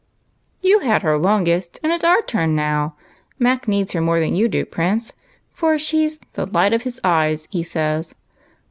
" You had her longest, and it 's our turn now ; Mac needs her more than you do, Prince, for she's 'the light of his eyes,' he says.